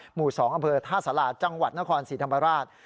หมู่๒อำเภอท่าสาราจังหวัดนครศรีธรรมราช